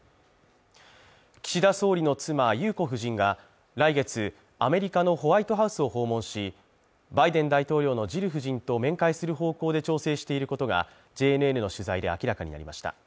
岸田総理の妻・裕子夫人が来月、アメリカのホワイトハウスを訪問しバイデン大統領のジル夫人と面会する方向で調整していることが、ＪＮＮの取材で明らかになりました。